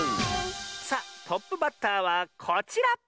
さあトップバッターはこちら！